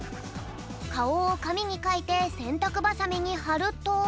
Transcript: かおをかみにかいてせんたくバサミにはると。